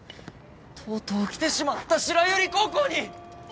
とうとう来てしまった白百合高校に！